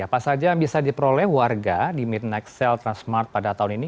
apa saja yang bisa diperoleh warga di midnight sale transmart pada tahun ini